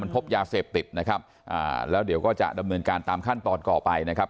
พบยาเสพติดนะครับอ่าแล้วเดี๋ยวก็จะดำเนินการตามขั้นตอนต่อไปนะครับ